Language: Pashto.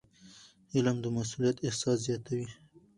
علم د مسؤلیت احساس زیاتوي.